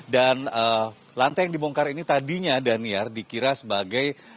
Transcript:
dan lantai yang dibongkar ini tadinya danir dikira sebagai